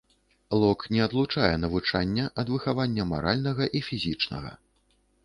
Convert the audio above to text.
Лок не адлучае навучання ад выхавання маральнага і фізічнага.